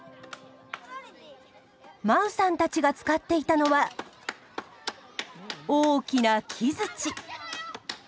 真宇さんたちが使っていたのは大きな木づち。